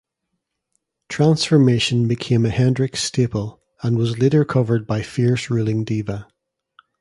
"Transformation" became a Hendryx staple, and was later covered by Fierce Ruling Diva.